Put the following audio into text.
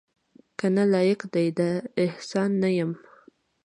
کنه لایق دې د احسان نه یمه